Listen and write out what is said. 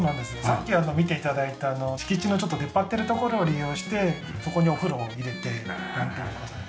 さっき見て頂いた敷地のちょっと出っ張ってる所を利用してそこにお風呂を入れてなんていう事でね。